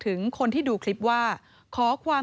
นี่เป็นคลิปวีดีโอจากคุณบอดี้บอยสว่างอร่อย